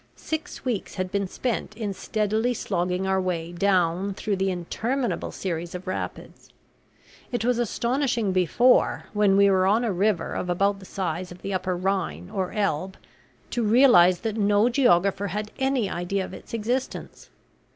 Six weeks had been spent in steadily slogging our way down through the interminable series of rapids. It was astonishing before, when we were on a river of about the size of the upper Rhine or Elbe, to realize that no geographer had any idea of its existence.